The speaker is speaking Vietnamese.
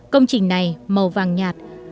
công trình này màu vàng nhạt